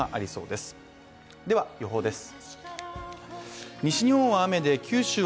では、予報です。